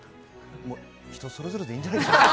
人それぞれでいいんじゃないですかね。